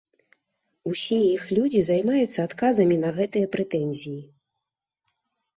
Усе іх людзі займаюцца адказамі на гэтыя прэтэнзіі.